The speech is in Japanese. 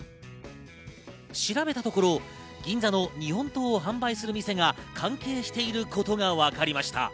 調べたところ、銀座の日本刀を販売する店が関係していることがわかりました。